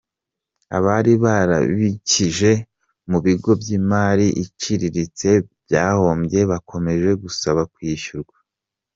Abari barabikije mu bigo by’imari iciriritse byahombye bakomeje gusaba kwishyurwa